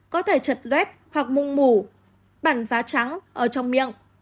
có thể trật luet hoặc mung mủ bằn phá trắng ở trong miệng